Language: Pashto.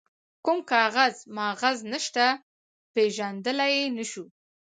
کوم کاغذ ماغذ نشته، پيژندلای يې نه شو.